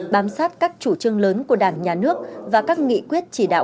bám sát các chủ trương lớn của đảng nhà nước và các nghị quyết chỉ đạo